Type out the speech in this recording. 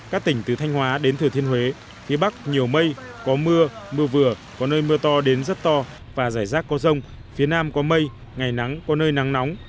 các tỉnh từ thanh hóa đến thừa thiên huế phía bắc nhiều mây có mưa mưa vừa có nơi mưa to đến rất to và rải rác có rông phía nam có mây ngày nắng có nơi nắng nóng